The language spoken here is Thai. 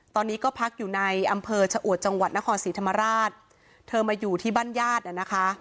ตอนนี้ก็พักอยู่ในอำเภอชะอวดจังหวัดนครศรีธรรมราชเธอมาอยู่ที่บ้านญาติน่ะนะคะ